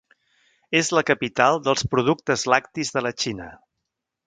És la capital dels productes lactis de la Xina.